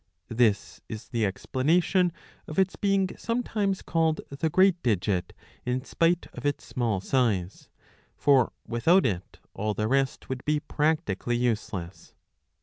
This is the explanation of its being some times called the great digit, in spite of its small size ; for without it all the rest would be practically useless.